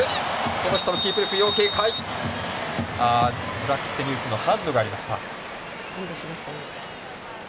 ブラクステニウスのハンドがありました。